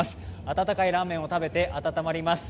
温かいラーメンを食べて暖まります。